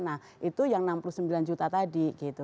nah itu yang enam puluh sembilan juta tadi gitu